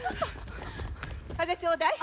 風ちょうだい。